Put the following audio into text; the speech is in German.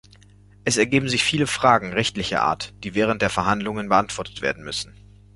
Es ergeben sich viele Fragen rechtlicher Art, die während der Verhandlungen beantwortet werden müssen.